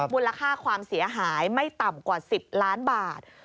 มูลค่าความเสียหายไม่ต่ำกว่า๑๐ล้านบาท